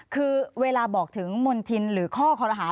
คือเวลาบอกถึงมณฑินหรือข้อคอรหา